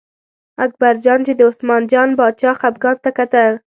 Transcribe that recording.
اکبرجان چې د عثمان جان باچا خپګان ته کتل.